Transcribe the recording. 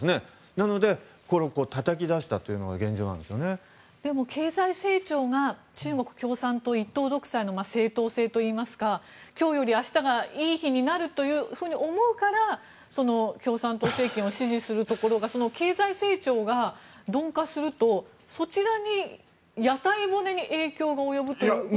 なので、これをたたき出したというのが共産党政権が中国共産党一党独裁の正当性といいますか今日より明日がいい日になると思うから共産党政権を支持することが経済成長が鈍化するとそちらに屋台骨に影響が及ぶということは。